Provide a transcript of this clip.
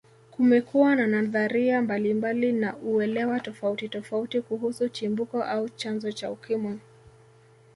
Kumekuwa na nadharia mbalimbali na uelewa tofauti tofauti kuhusu Chimbuko au chanzo cha Ukimwi